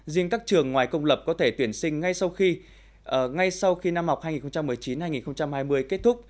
riêng các trường ngoài công lập có thể tuyển sinh ngay sau khi năm học hai nghìn một mươi chín hai nghìn hai mươi kết thúc